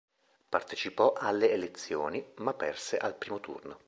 Partecipò alle elezioni, ma perse al primo turno.